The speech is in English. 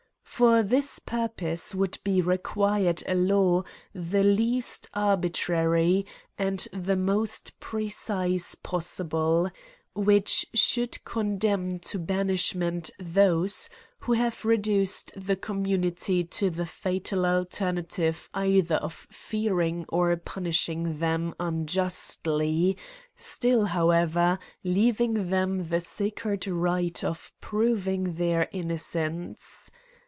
For this purpose would be required a law the least arbitrary and the most precise possible; which should condemn to banishment those who have reduced the community to the fatar alternative either of fearing or punishing them unjustly, still, however, leaving them the sacred right of proving their innocence.